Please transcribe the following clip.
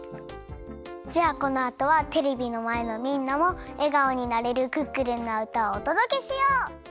じゃあこのあとはテレビのまえのみんなもえがおになれるクックルンのうたをおとどけしよう！